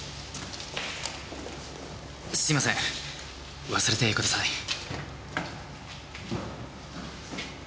すいません忘れてください。